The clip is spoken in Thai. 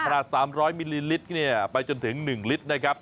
ประสาท๓๐๐มิลลิตรไปจนถึง๑ลิตรนะครับ